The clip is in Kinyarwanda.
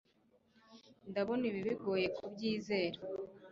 ndabona ibi bigoye kubyizera